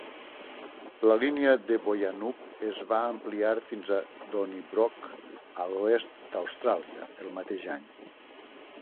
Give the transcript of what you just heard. La línia de Boyanup es va ampliar fins a Donnybrook, a l'oest d'Austràlia, el mateix any.